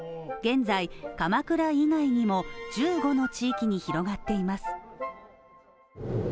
現在、鎌倉以外にも１５の地域に広がっています。